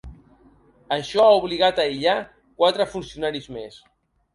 Això ha obligat a aïllar quatre funcionaris més.